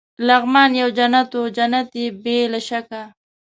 لغمان یو جنت وو، جنت يې بې له شکه.